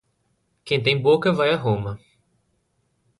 Quem tem boca vai a Roma.